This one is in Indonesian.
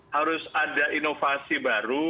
harus ada inovasi baru